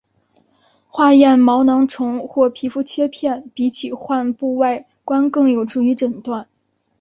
化验毛囊虫或皮肤切片比起患部外观更有助于诊断。